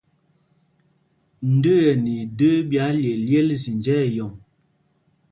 Ndə́ə́ ɛ nɛ idə́ə́ ɓī ályelyêl zinjá ɛyɔŋ lɛ̄.